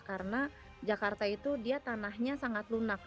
karena jakarta itu dia tanahnya sangat lunak